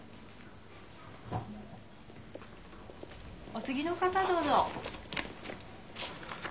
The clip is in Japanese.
お次の方どうぞ。